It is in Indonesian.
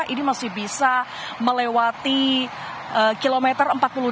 ini masih bisa melewati kilometer empat puluh dua